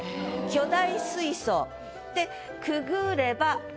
「巨大水槽」で「潜れば」